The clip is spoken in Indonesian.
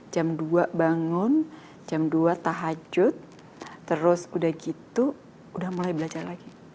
jam dua bangun jam dua tahajud terus sudah mulai belajar lagi